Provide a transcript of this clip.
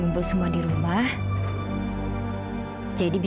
untuk dekat dengan ibu